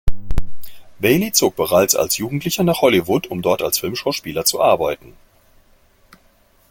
Bailey zog bereits als Jugendlicher nach Hollywood, um dort als Filmschauspieler zu arbeiten.